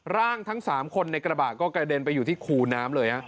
ทั้ง๓คนในกระบะก็กระเด็นไปอยู่ที่คูน้ำเลย